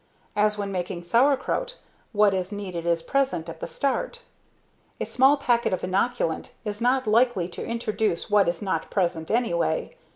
As when making sauerkraut, what is needed is present at the start. A small packet of inoculant is not likely to introduce what is not present anyway.